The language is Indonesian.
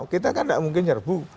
kita kan tidak mungkin nyerbu